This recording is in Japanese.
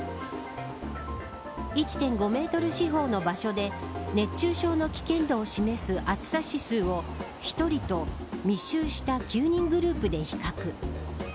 １．５メートル四方の場所で熱中症の危険度を示す暑さ指数を１人と密集した９人グループで比較。